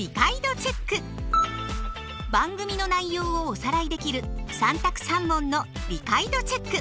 番組の内容をおさらいできる３択３問の「理解度チェック」。